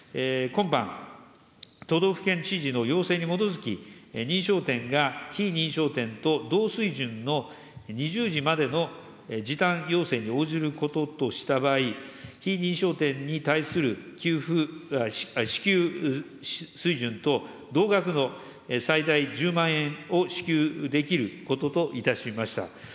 今般、都道府県知事の要請に基づき、認証店が非認証店と同水準の２０時までの時短要請に応じることとした場合、非認証店に対する給付、支給水準と同額の、最大１０万円を支給できることといたしました。